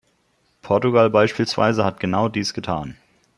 Portugal beispielsweise hat genau dies getan.